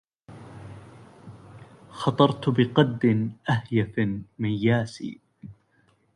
خطرت بقد أهيف مياس